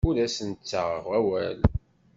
Ur asen-ttaɣeɣ awal.